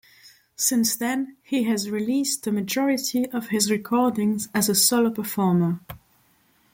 Since then he has released the majority of his recordings as a solo performer.